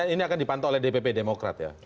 ini akan dipantau oleh dpp demokrat ya